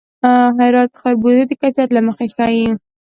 د هرات خربوزې د کیفیت له مخې ښې دي.